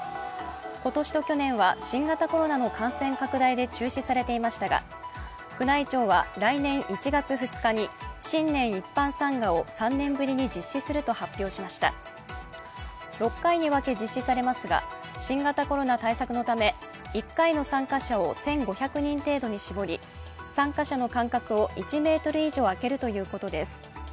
今年と去年は新型コロナの感染拡大で中止されていましたが宮内庁は来年１月２日に新年一般参賀を３年ぶりに実施すると発表しました６回に分け実施されますが新型コロナ対策のため１回の参加者を１５００人程度に絞り参加者の間隔を１ｍ以上あけるということです。